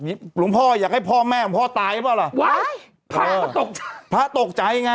หลวงพ่ออยากให้พ่อแม่ของพ่อตายหรือเปล่าล่ะว้ายพระก็ตกใจพระตกใจไง